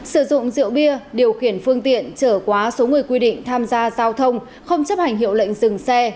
sử dụng rượu bia điều khiển phương tiện trở quá số người quy định tham gia giao thông không chấp hành hiệu lệnh dừng xe